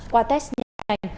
qua test nhanh